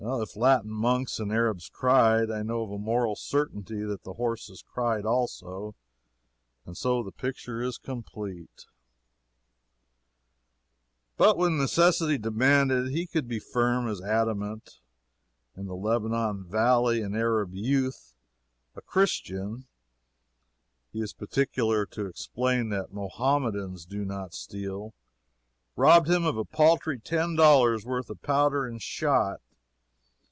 If Latin monks and Arabs cried, I know to a moral certainty that the horses cried also, and so the picture is complete. But when necessity demanded, he could be firm as adamant. In the Lebanon Valley an Arab youth a Christian; he is particular to explain that Mohammedans do not steal robbed him of a paltry ten dollars' worth of powder and shot.